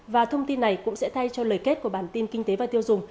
và thông tin này cũng sẽ thay cho lời kết của bản tin kinh tế và tiêu dùng